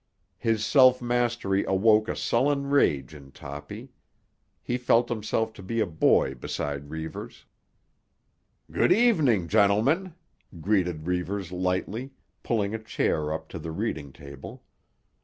His self mastery awoke a sullen rage in Toppy. He felt himself to be a boy beside Reivers. "Good evening, gentlemen," greeted Reivers lightly, pulling a chair up to the reading table.